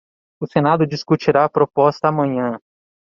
O senado discutirá a proposta amanhã